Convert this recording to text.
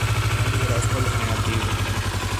Eran liderados por el General tigre.